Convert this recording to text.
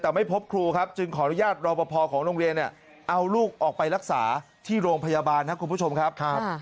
แต่ไม่พบครูครับจึงขออนุญาตรอปภของโรงเรียนเอาลูกออกไปรักษาที่โรงพยาบาลครับคุณผู้ชมครับ